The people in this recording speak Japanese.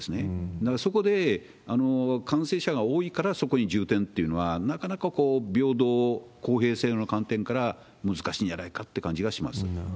だからそこで、感染者が多いからそこに充てんっていうのは、なかなか平等、公平性の観点から難しいんじゃないかなって感じがします。